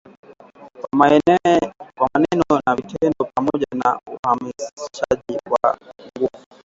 kwa maneno na vitendo pamoja na uhamasishaji wa nguvu